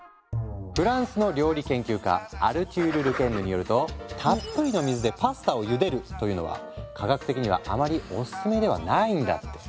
フランスの料理研究家アルテュール・ル・ケンヌによるとたっぷりの水でパスタをゆでるというのは科学的にはあまりおすすめではないんだって。